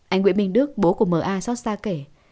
anh nguyễn minh đức bố của m a xót xa kể